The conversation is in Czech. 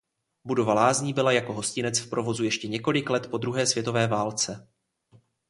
Budova lázní byla jako hostinec v provozu ještě několik let po druhé světové válce.